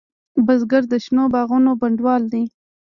بزګر د شنو باغونو بڼوال دی